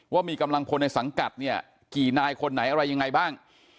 ว่ามีกำลังพลในสังกัดเนี่ยกี่นายคนไหนอะไรยังไงบ้าง